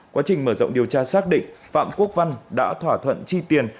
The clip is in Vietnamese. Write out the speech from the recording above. quá trình mở rộng điều tra xác định phạm quốc văn đã thỏa thuận chi tiền